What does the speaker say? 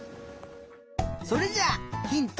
それじゃあヒント